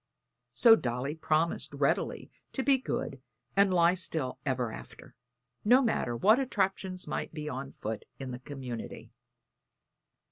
So Dolly promised quite readily to be good and lie still ever after, no matter what attractions might be on foot in the community.